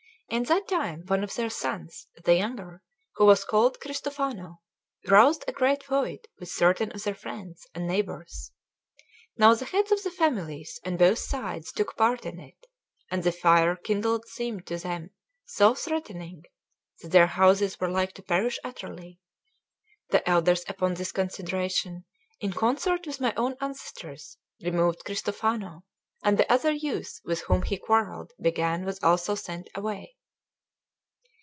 In that time one of their sons, the younger, who was called Cristofano, roused a great feud with certain of their friends and neighbours. Now the heads of the families on both sides took part in it, and the fire kindled seemed to them so threatening that their houses were like to perish utterly; the elders upon this consideration, in concert with my own ancestors, removed Cristofano; and the other youth with whom the quarrel began was also sent away.